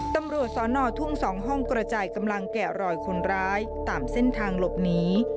ตำรวจสอนอทุ่ง๒ห้องกระจายกำลังแกะรอยคนร้ายตามเส้นทางหลบหนี